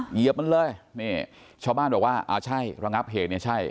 เหยียบมันเลยนี่ชาวบ้านบอกว่าอ่าใช่ระงับเหตุเนี่ยใช่